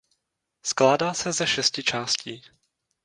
Skládá se ze šesti částí.